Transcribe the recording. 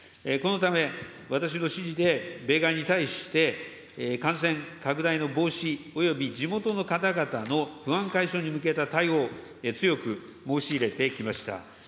このため、私の指示で米側に対して、感染拡大の防止および地元の方々の不安解消に向けた対応、強く申し入れてきました。